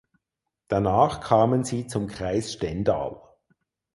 Danach kamen sie zum Kreis Stendal.